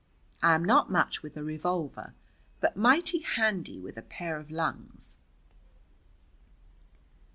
I am not much with a revolver, but mighty handy with a pair of lungs.